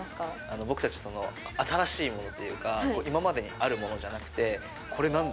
僕たち、新しいものというか、今までにあるものじゃなくて、これなんだ？